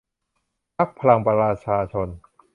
พรรคพลังประชาชน